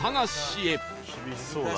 厳しそうだな。